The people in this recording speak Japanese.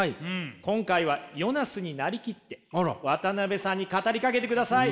今回はヨナスになり切って渡辺さんに語りかけてください。